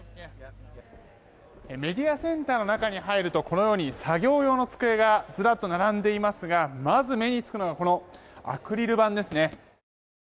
メディアセンターの中に入ると作業用の机がずらっと並んでいますがまず目につくのがこのアクリル板ですね。